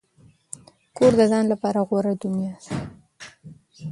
کور د ځان لپاره غوره دنیا ده.